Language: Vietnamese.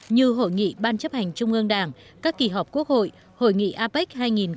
như hội nghị ban chấp hành trung ương đảng các kỳ họp quốc hội hội nghị apec hai nghìn hai mươi